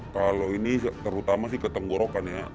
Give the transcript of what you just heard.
kalau ini terutama sih ke tenggorokan ya